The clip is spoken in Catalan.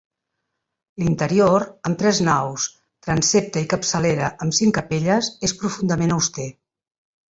L'interior, amb tres naus, transsepte i capçalera amb cinc capelles, és profundament auster.